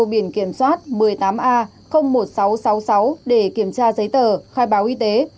biển kiểm soát một mươi tám a một nghìn sáu trăm sáu mươi sáu để kiểm tra giấy tờ khai báo y tế